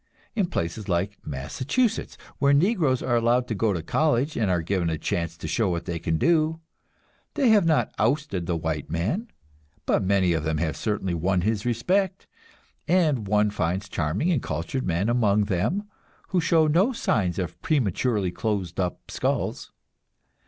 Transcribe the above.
In places like Massachusetts, where Negroes are allowed to go to college and are given a chance to show what they can do, they have not ousted the white man, but many of them have certainly won his respect, and one finds charming and cultured men among them, who show no signs of prematurely closed up skulls.